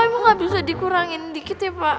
tapi nggak bisa dikurangin dikit ya pak